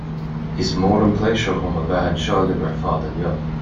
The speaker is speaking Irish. Is mór an pléisiúir dom a bheith anseo libh ar fad inniu